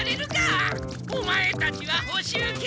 オマエたちはほしゅう決定だ！